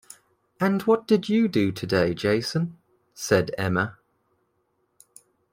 "And what did you do today Jason?" said Emma